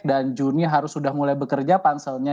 dan juni harus sudah mulai bekerja panselnya